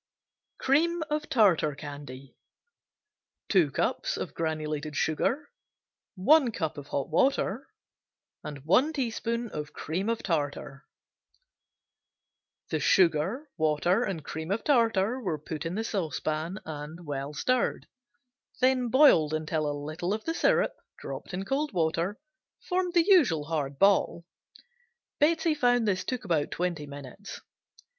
Cream of Tartar Candy Sugar (granulated), 2 cups Water (hot), 1 cup Cream of tartar, 1 teaspoon The sugar, water and cream of tartar were put in the saucepan and well stirred, then boiled until a little of the syrup, dropped in cold water, formed the usual hard ball. Betsey found this took about twenty minutes.